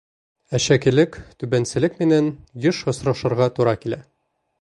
Әшәкелек, түбәнселек менән йыш осрашырға тура килә.